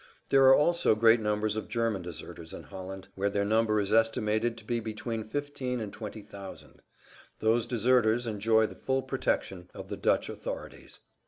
There are also great numbers of German deserters in Holland, where their number is estimated to be between fifteen and twenty thousand. Those deserters enjoy the full protection of the Dutch authorities.